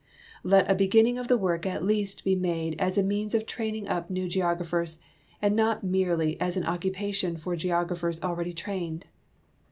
Let a beginning of the work at least he made as a means of training up new geographers, and not merely as an occupation fijr geographers already trained.